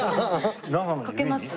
描けます？